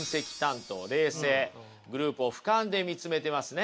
冷静グループをふかんで見つめてますね。